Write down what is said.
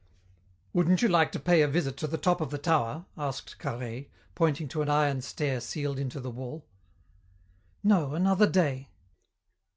"Wouldn't you like to pay a visit to the top of the tower?" asked Carhaix, pointing to an iron stair sealed into the wall. "No, another day."